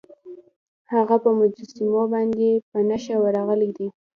هغه په مجسمو پسې په نښه ورغلی دی.